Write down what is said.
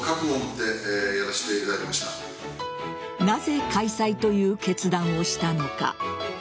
なぜ開催という決断をしたのか。